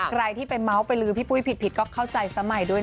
ใครที่ไปเมาส์ไปลือพี่ปุ้ยผิดก็เข้าใจสมัยด้วยนะ